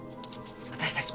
私たち